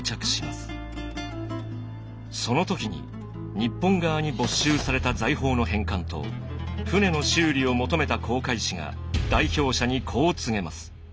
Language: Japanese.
その時に日本側に没収された財宝の返還と船の修理を求めた航海士が代表者にこう告げます。